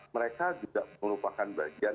mereka juga merupakan bagian